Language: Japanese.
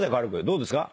どうですか？